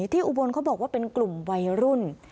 อุบลเขาบอกว่าเป็นกลุ่มวัยรุ่น